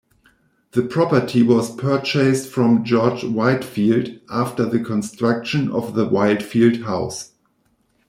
The property was purchased from George Whitefield after the construction of the Whitefield House.